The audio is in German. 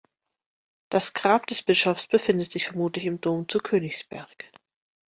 Das Grab des Bischofs befindet sich vermutlich im Dom zu Königsberg.